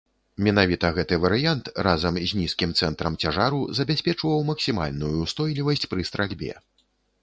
Менавіта гэты варыянт, разам з нізкім цэнтрам цяжару забяспечваў максімальную ўстойлівасць пры стральбе.